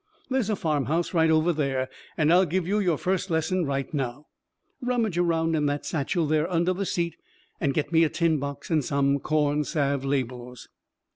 There's a farmhouse right over there, and I'll give you your first lesson right now. Rummage around in that satchel there under the seat and get me a tin box and some corn salve labels."